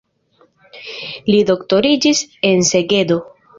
Li doktoriĝis en Segedo.